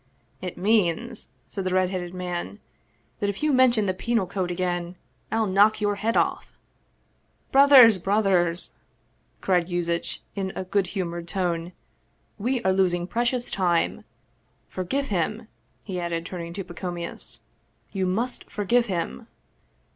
" It means," said the red headed man, " that if you men tion the Penal Code again I'll knock your head off !"" Brothers, brothers !" cried Yuzitch in a good humored tone ;" we are losing precious time ! Forgive him !" he added, turning to Pacomius. " You must forgive him